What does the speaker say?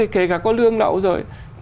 kể cả có lương đậu rồi